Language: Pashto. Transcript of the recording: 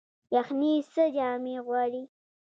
یخني څه جامې غواړي؟